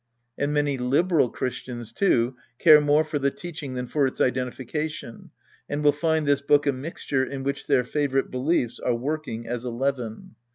And many liberal Christians, too, care more for the teaching than for its identification and will find this book a mixtui e in which their favorite beliefs are working as a leaven.